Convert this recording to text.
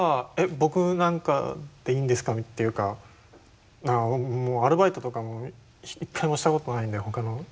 僕なんかでいいんですかっていうかもうアルバイトとかも一回もしたことないんでほかのやつとかを。